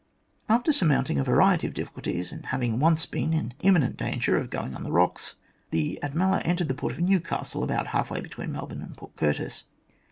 After surmounting a variety of difficulties and having once been in imminent danger of going on the rocks, the Admclla entered the port of Newcastle, about half way between Melbourne and Port Curtis.